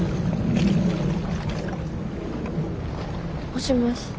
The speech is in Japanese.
もしもし。